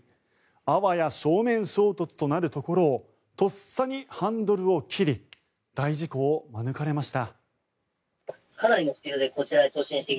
あわや正面衝突となるところをとっさにハンドルを切り大事故を免れました。